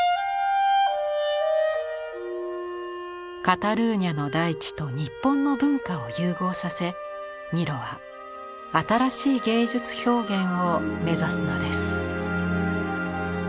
カタルーニャの大地と日本の文化を融合させミロは新しい芸術表現を目指すのです。